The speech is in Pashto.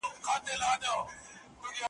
نه به مي قبر چاته معلوم وي `